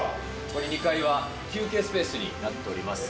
これ、２階は休憩スペースになっております。